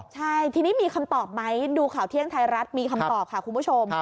ใช่ทีนี้มีคำตอบไหมดูข่าวเที่ยงไทยรัฐมีคำตอบค่ะคุณผู้ชม